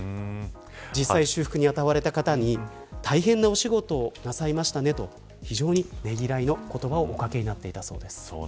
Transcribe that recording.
実際、修復に当たられた方に大変なお仕事をなさいましたねと非常にねぎらいの言葉をお掛けになっていたそうです。